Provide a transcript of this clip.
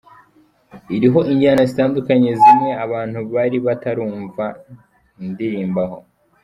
Iriho injyana zitandukanye zimwe abantu bari bataranumva ndirimbaho.